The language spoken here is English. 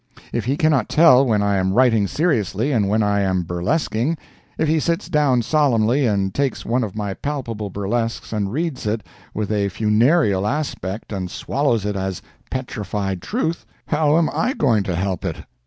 If he cannot tell when I am writing seriously and when I am burlesquing—if he sits down solemnly and takes one of my palpable burlesques and reads it with a funereal aspect, and swallows it as petrified truth,—how am I going to help it?